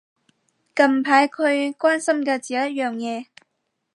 近排佢關心嘅就只有一樣嘢